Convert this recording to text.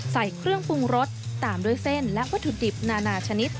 ใส่เครื่องปรุงรสตามด้วยเส้นและวัตถุดิบนานาชนิด